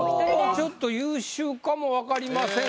ちょっと優秀かも分かりません。